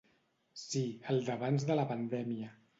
Sí, el d’abans de la pandèmia.